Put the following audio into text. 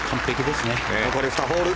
残り２ホール。